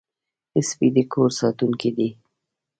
سپي د کور ساتونکي دي.